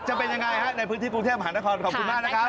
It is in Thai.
จะเป็นยังไงฮะในพื้นที่กรุงเทพมหานครขอบคุณมากนะครับ